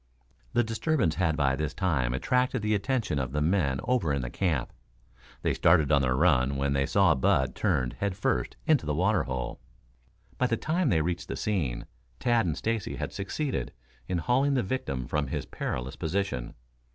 The disturbance had by this time attracted the attention of the men over in the camp. They started on the run when they saw Bud turned head first into the water hole. By the time they reached the scene Tad and Stacy had succeeded in hauling the victim from his perilous position.